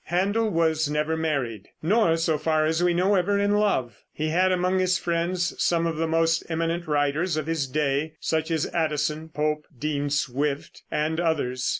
Händel was never married; nor, so far as we know, ever in love. He had among his friends some of the most eminent writers of his day, such as Addison, Pope, Dean Swift and others.